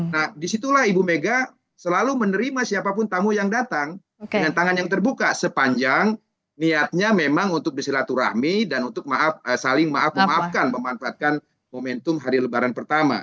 nah disitulah ibu mega selalu menerima siapapun tamu yang datang dengan tangan yang terbuka sepanjang niatnya memang untuk bersilaturahmi dan untuk maaf saling maaf memaafkan memanfaatkan momentum hari lebaran pertama